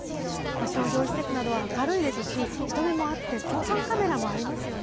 商業施設などは明るいですし、人目もあって、防犯カメラもありますよね。